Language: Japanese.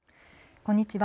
こんにちは。